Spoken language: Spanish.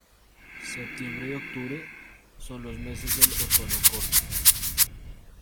Septiembre y octubre son los meses del otoño corto.